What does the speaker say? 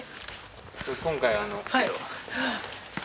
今回。